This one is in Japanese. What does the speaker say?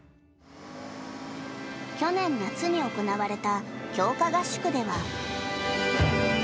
去年夏に行われた強化合宿では。